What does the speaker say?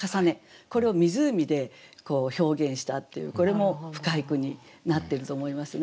これを湖で表現したっていうこれも深い句になってると思いますね。